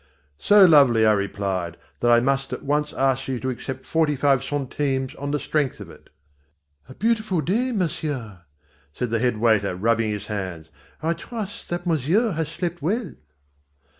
"So lovely," I replied, "that I must at once ask you to accept forty five centimes on the strength of it." "A beautiful day, monsieur," said the head waiter, rubbing his hands, "I trust that monsieur has slept well."